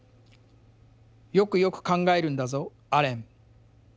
「よくよく考えるんだぞアレン